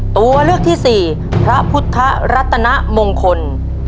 ตัวเลือกที่สี่พระพุทธรัตนมงคล